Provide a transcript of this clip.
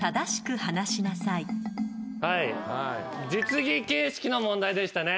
実技形式の問題でしたね。